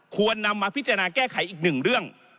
ควรนำมาพิจารณาแก้ไขอีกหนึ่งเรื่อง